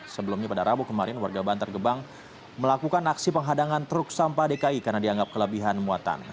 sebelumnya pada rabu kemarin warga bantar gebang melakukan aksi penghadangan truk sampah dki karena dianggap kelebihan muatan